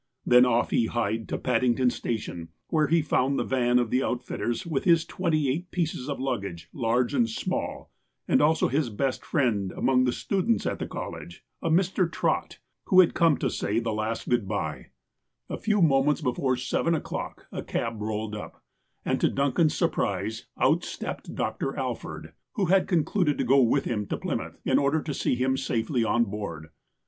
Then off he hied to Paddington station, where he found the van of the outfitters with his twenty eight pieces of luggage, large and small, and also his best friend among tlie students at the college, a Mr. Trott, who had come to say the last good bye. A NEW MISSION FIELD 37 A few moments before seveu o'clock a cab rolled up, and, to Duncan's surprise, out stepped Dr. Alford, who had concluded to go with him to Plymouth, in order to see him safely on board.